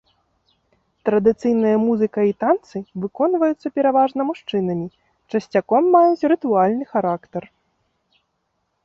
Традыцыйная музыка і танцы выконваюцца пераважна мужчынамі, часцяком маюць рытуальны характар.